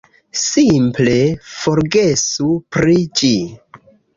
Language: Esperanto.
Simple forgesu pri ĝi!